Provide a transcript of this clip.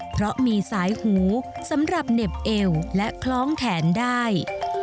เพราะมีสายหูสำหรับเหน็บเอวและคล้องแขนได้